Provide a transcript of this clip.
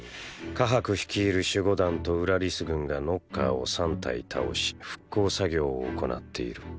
カハク率いる守護団とウラリス軍がノッカーを３体倒し復興作業を行っている。